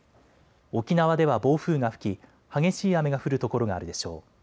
沖縄では暴風が吹き激しい雨が降る所があるでしょう。